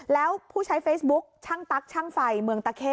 แล้วผู้ใช้เฟซบุ๊คช่างตั๊กช่างไฟเมืองตะเข้